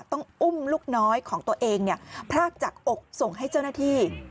ต้องอุ้มลูกน้อยของตัวเองพรากจากอกส่งให้เจ้าหน้าที่